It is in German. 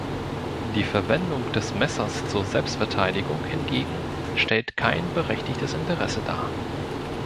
Die Verwendung des Messers zur Selbstverteidigung hingegen stellt kein berechtigtes Interesse dar.